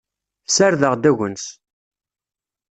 Ssardeɣ-d agnes.